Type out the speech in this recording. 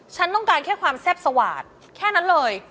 ฉันต้องการแค่ความแซ่บสวาดแค่นั้นเลย